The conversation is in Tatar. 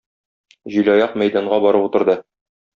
Җилаяк мәйданга барып утырды.